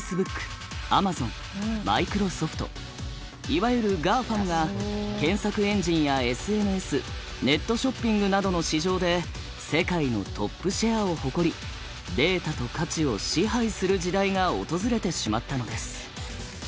いわゆるＧＡＦＡＭが検索エンジンやＳＮＳネットショッピングなどの市場で世界のトップシェアを誇りデータと価値を支配する時代が訪れてしまったのです。